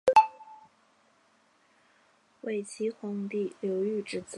伪齐皇帝刘豫之子。